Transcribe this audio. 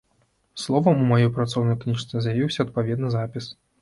Словам, у маёй працоўнай кніжцы з'явіўся адпаведны запіс.